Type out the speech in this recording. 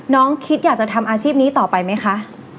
น้องคิดอยากจะทำอาชีพนี้ต่อไปไหมคะ